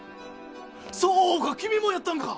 そうか君もやったんか！